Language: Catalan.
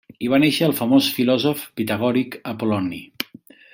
Hi va néixer el famós filòsof pitagòric Apol·loni.